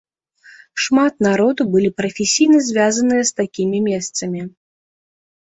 Шмат народу былі прафесійна звязаныя з такімі месцамі.